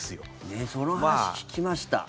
ね、その話聞きました。